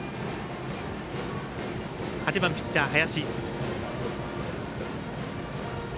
８番ピッチャー林。